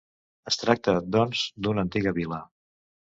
Es tracta, doncs, d'una antiga vila.